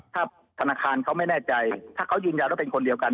ถ้าธนาคารเขาไม่แน่ใจถ้าเขายืนยันว่าเป็นคนเดียวกัน